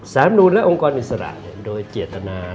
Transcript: สารพนธุรกิจและองค์กรอิสระโดยเจตนา